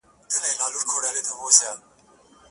• قرض د پلار هم بد دی -